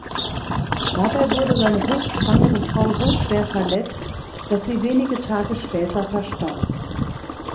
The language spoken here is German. Dabei wurde seine hochschwangere Frau so schwer verletzt, dass sie wenige Tage später verstarb.